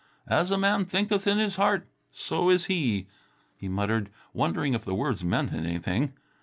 "'As a man thinketh in his heart, so is he'," he muttered, wondering if the words meant anything.